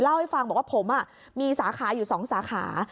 เล่าให้ฟังบอกว่าผมมีสาขาอยู่๒สาขา